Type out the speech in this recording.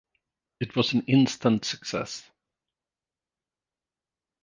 It was an instant success.